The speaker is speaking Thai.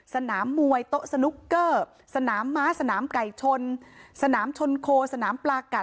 สนามมวยโต๊ะสนุกเกอร์สนามม้าสนามไก่ชนสนามชนโคสนามปลากัด